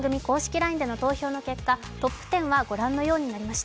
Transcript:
ＬＩＮＥでの投票の結果、トップ１０はご覧のようになりました。